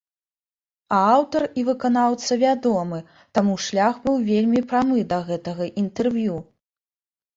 А аўтар і выканаўца вядомы, таму шлях быў вельмі прамы да гэтага інтэрв'ю.